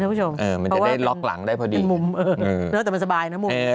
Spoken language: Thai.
นะผู้ชมเออมันจะได้ล็อกหลังได้พอดีมุมเออแต่มันสบายนะมุมเออ